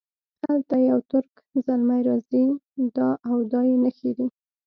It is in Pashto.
هلته یو ترک زلمی راځي دا او دا یې نښې دي.